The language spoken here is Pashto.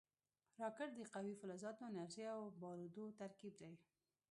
راکټ د قوي فلزاتو، انرژۍ او بارودو ترکیب دی